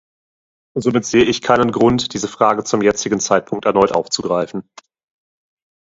Somit sehe ich keinen Grund, diese Frage zum jetzigen Zeitpunkt erneut aufzugreifen.